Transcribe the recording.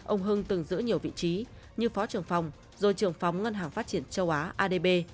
ông hưng từng giữ nhiều vị trí như phó trưởng phòng rồi trưởng phóng ngân hàng phát triển châu á adb